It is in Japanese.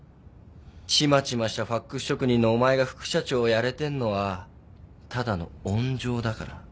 ちまちましたファクス職人のお前が副社長やれてんのはただの温情だから。